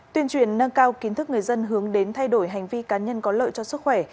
tuyên truyền nâng cao kiến thức người dân hướng đến thay đổi hành vi cá nhân có lợi cho sức khỏe